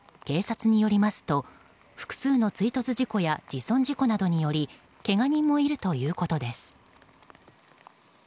警察によりますと複数の追突事故や自損事故などによりけが人もいるということです。